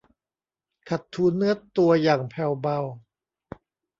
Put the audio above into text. ขัดถูเนื้อตัวอย่างแผ่วเบา